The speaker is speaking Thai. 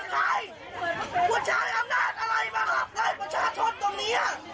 พวกชายอำนาจอะไรวะครับมันชาติทศตรงนี้